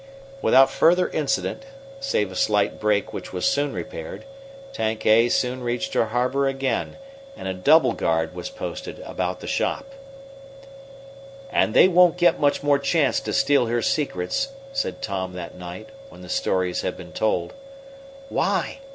Without further incident, save a slight break which was soon repaired, Tank A soon reached her harbor again, and a double guard was posted about the shop. "And they won't get much more chance to steal her secrets," said Tom that night, when the stories had been told. "Why?"